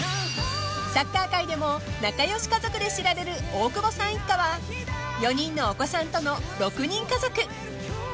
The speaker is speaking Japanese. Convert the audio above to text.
［サッカー界でも仲良し家族で知られる大久保さん一家は４人のお子さんとの６人家族］